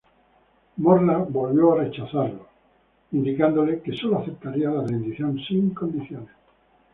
Morla volvió a rechazarlo, indicándole que sólo aceptaría la rendición sin condiciones.